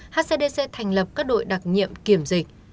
hcdc thành lập các đội đặc nhiệm kiểm dịch